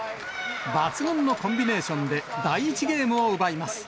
抜群のコンビネーションで、第１ゲームを奪います。